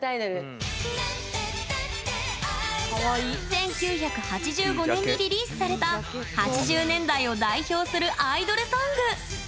１９８５年にリリースされた８０年代を代表するアイドルソング。